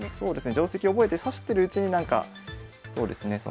定跡覚えて指してるうちになんかそうですね